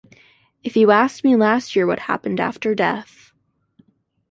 If you asked me last year what happened after death